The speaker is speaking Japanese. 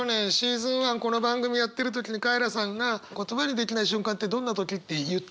１この番組をやってる時にカエラさんが言葉にできない瞬間ってどんな時って言ったやつ